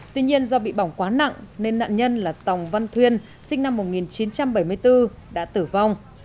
tuy nhiên do bị bỏng quá nặng nên nạn nhân là tòng văn thuyên sinh năm một nghìn chín trăm bảy mươi bốn đã tử vong